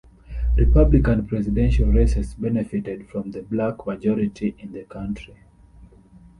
Republican presidential races benefited from the black majority in the county.